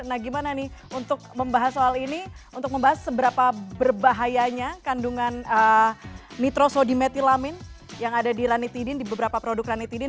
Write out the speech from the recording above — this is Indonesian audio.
nah gimana nih untuk membahas soal ini untuk membahas seberapa berbahayanya kandungan nitrosodimetilamin yang ada di ranitidin di beberapa produk ranitidin